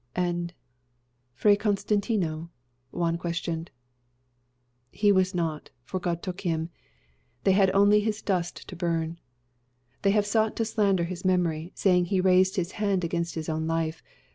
"And Fray Constantino?" Juan questioned. "He was not, for God took him. They had only his dust to burn. They have sought to slander his memory, saying he raised his hand against his own life.